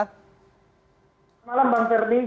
selamat malam bang ferdin